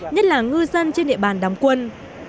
nhất là ngư dân trên địa bàn đám quân